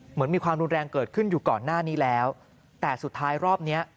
เหมือนมีความรุนแรงเกิดขึ้นอยู่ก่อนหน้านี้แล้วแต่สุดท้ายรอบเนี้ย